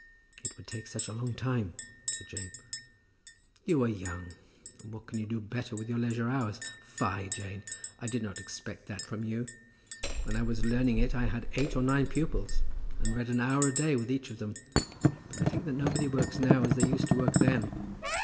"It would take such a long time," said Jane. "You are young, and what can you do better with your leisure hours? Fie, Jane! I did not expect that from you. When I was learning it I had eight or nine pupils, and read an hour a day with each of them. But I think that nobody works now as they used to work then.